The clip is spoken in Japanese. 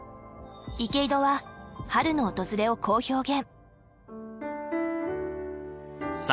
池井戸は春の訪れをこう表現。